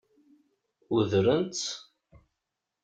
Weddṛen-tt?